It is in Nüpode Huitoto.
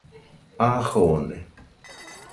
A jone